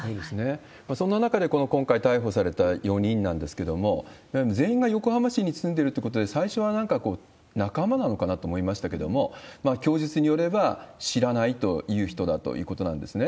そんな中で、今回逮捕された４人なんですけれども、全員が横浜市に住んでいるということで、最初はなんか、仲間なのかなと思いましたけれども、供述によれば、知らないという人だということなんですね。